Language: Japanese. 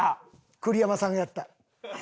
栗山さんがやった。